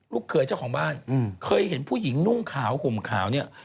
เคยเจ้าของบ้านเคยเห็นผู้หญิงนุ่งขาวห่มขาวเนี่ย